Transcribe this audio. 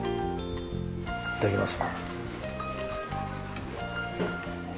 いただきます。